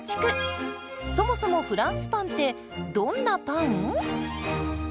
そもそもフランスパンってどんなパン？